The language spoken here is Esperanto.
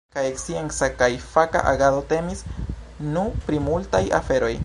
Kaj scienca kaj faka agado temis, nu pri multaj aferoj.